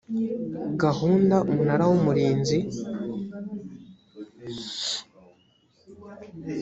gahunda umunara w umurinzi